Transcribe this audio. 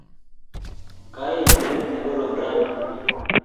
kayai tilet nekorom rani